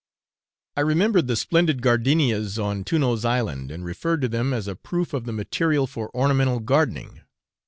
I remembered the splendid gardinias on Tunno's Island, and referred to them as a proof of the material for ornamental gardening.